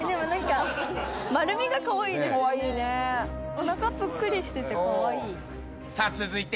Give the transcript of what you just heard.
おなかぷっくりしてて可愛い。